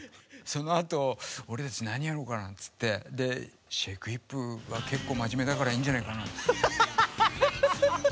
そのあと俺たち何やろうかっつって「ＳｈａｋｅＨｉｐ！」は結構まじめだからいいんじゃないかなんて。